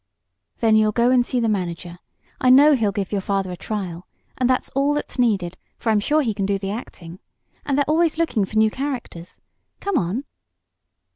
"Then you'll go and see the manager I know he'll give your father a trial, and that's all that's needed, for I'm sure he can do the acting. And they're always looking for new characters. Come on!"